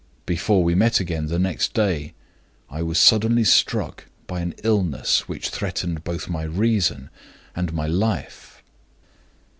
Before we met again the next day, I was suddenly struck by an illness which threatened both my reason and my life.